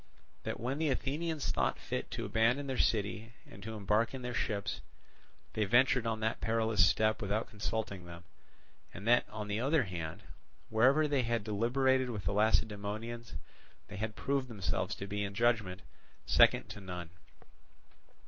That when the Athenians thought fit to abandon their city and to embark in their ships, they ventured on that perilous step without consulting them; and that on the other hand, wherever they had deliberated with the Lacedaemonians, they had proved themselves to be in judgment second to none.